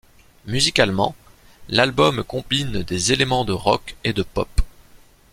Musicalement, l'album combine des éléments de rock et de pop.